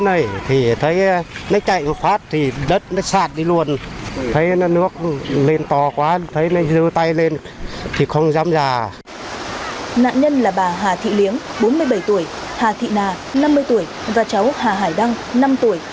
nạn nhân là bà hà thị liếng bốn mươi bảy tuổi hà thị nà năm mươi tuổi và cháu hà hải đăng năm tuổi